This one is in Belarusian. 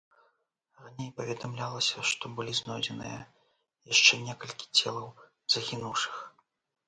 Раней паведамлялася, што былі знойдзеныя яшчэ некалькі целаў загінуўшых.